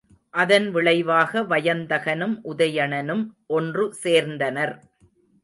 அதன் விளைவாக வயந்தகனும் உதயணனும் ஒன்று சேர்ந்தனர்.